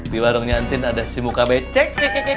di warungnya entin ada si muka becek